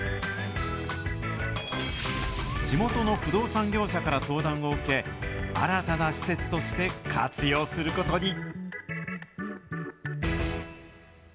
地元の不動産業者から相談を受け、新たな施設として活用することに。